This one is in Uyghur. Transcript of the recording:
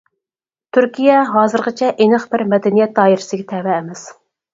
تۈركىيە ھازىرغىچە ئېنىق بىر مەدەنىيەت دائىرىسىگە تەۋە ئەمەس.